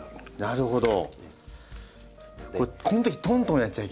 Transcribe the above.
なるほど！